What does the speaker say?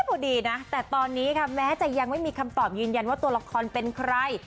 พอดีนะแต่ตอนนี้ค่ะแม้จะยังไม่มีคำตอบยืนยันว่าตัวละครเป็นใคร